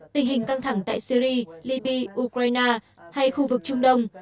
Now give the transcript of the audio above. tình hình căng thẳng tại syri libya ukraine hay khu vực trung đông